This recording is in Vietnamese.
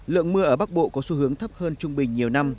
lượng mưa ở bắc bộ có xu hướng thấp hơn trung bình nhiều năm